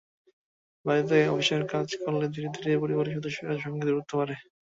বাড়িতে অফিসের কাজ করলে ধীরে ধীরে পরিবারের সদস্যদের সঙ্গে দূরত্ব বাড়ে।